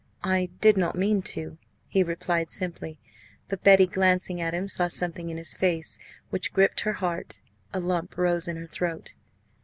"I did not mean to," he replied simply; but Betty, glancing at him, saw something in his face which gripped her heart. A lump rose in her throat.